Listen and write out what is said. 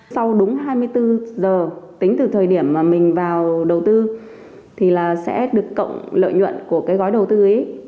sau đúng hai mươi bốn giờ tính từ thời điểm mà mình vào đầu tư thì là sẽ được cộng lợi nhuận của cái gói đầu tư ấy